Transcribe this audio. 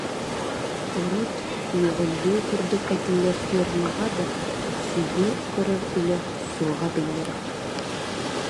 Урут «үөҕүллүү» курдук этиллэр фермаҕа да сүөһү көрөр үлэ суоҕа биллэрэ